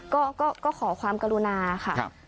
ก็ขอความกรุณาค่ะ